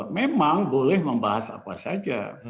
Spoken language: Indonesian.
memang boleh membahas apa saja